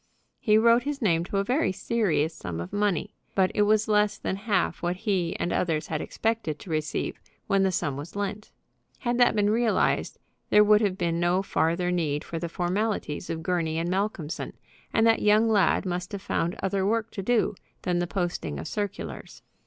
He wrote his name to a very serious sum of money, but it was less than half what he and others had expected to receive when the sum was lent. Had that been realized there would have been no farther need for the formalities of Gurney & Malcolmson, and that young lad must have found other work to do than the posting of circulars.